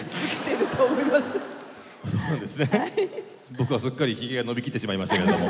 僕はすっかりひげが伸び切ってしまいましたけれども。